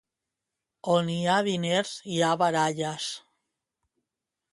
On hi ha diners hi ha baralles.